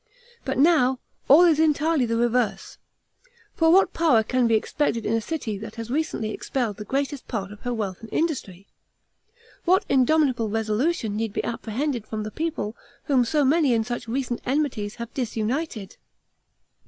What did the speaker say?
But now, all is entirely the reverse; for what power can be expected in a city that has recently expelled the greatest part of her wealth and industry? What indomitable resolution need be apprehended from the people whom so many and such recent enmities have disunited?